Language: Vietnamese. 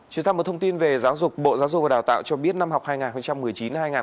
chuyển sang một thông tin về giáo dục bộ giáo dục và đào tạo cho biết năm học